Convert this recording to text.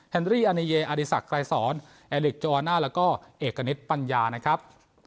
รี่อเนเยอดีศักดิ์ไกรสอนแอร์ลิกโจอน่าแล้วก็เอกณิตปัญญานะครับ